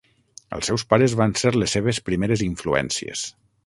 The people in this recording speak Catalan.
Els seus pares van ser les seves primeres influències.